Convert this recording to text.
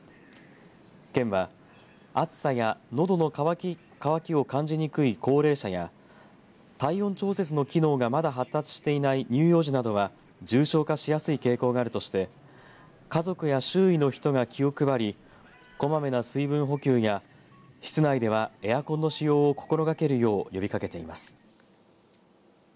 県は、暑さやのどの渇きを感じにくい高齢者や体温調節の機能がまだ発達していない乳幼児などは重症化しやすい傾向があるとして家族や周囲の人が気を配りこまめな水分補給や室内ではエアコンの使用を心がけるよう呼びかけています。